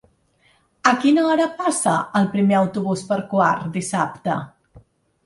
A quina hora passa el primer autobús per Quart dissabte?